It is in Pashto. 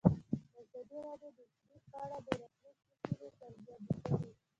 ازادي راډیو د اقلیم په اړه د راتلونکي هیلې څرګندې کړې.